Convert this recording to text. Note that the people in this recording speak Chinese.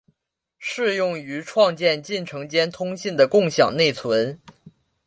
适用于创建进程间通信的共享内存。